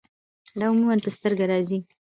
دا عموماً پۀ سترګه راځي